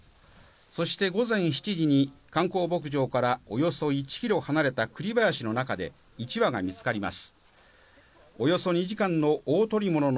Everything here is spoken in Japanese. そして午前７時に観光牧場からおよそ１ｋｍ離れた栗林の中で１羽が見つかります。